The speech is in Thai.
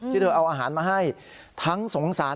เธอเอาอาหารมาให้ทั้งสงสาร